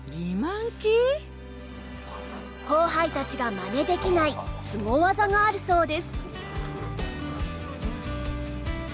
後輩たちがマネできないすご技があるそうです。